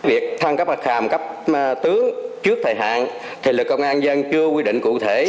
việc thăng cấp bậc hàm cấp tướng trước thời hạn thì lực lượng công an dân chưa quy định cụ thể